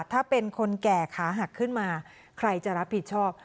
ถ้าเป็นคนแก่ขาหักขึ้นมาใครจะรับผิดชอบ